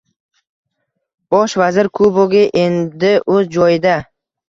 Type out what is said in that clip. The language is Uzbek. Bosh vazir kubogi endi o'z joyida